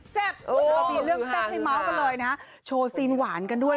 อ๋อหลังจากที่เลือกแซ่บให้เม้ากันเลยนะโชว์ซีนหวานกันด้วย